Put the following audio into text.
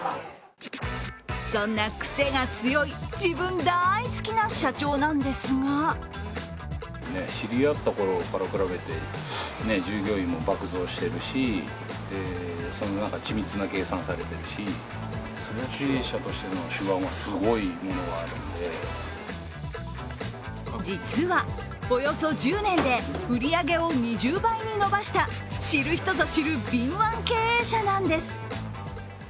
そんなクセが強い自分大好きな社長なんですが実は、およそ１０年で売り上げを２０倍に伸ばした知る人ぞ知る敏腕経営者なんです。